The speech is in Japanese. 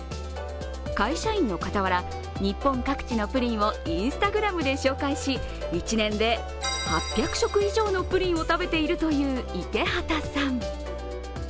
会社員のかたわら、日本各地のプリンをＩｎｓｔａｇｒａｍで紹介し１年で８００食以上のプリンを食べているという池畑さん。